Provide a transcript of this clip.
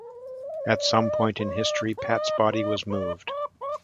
At some point in history Pat's body was moved.